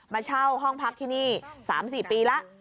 มาเช่าห้องพักที่นี่๓๔ปีแล้ว